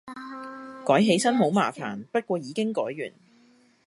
改起身好麻煩，不過已經改完